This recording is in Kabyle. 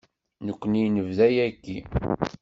Nekkni nebda yagi.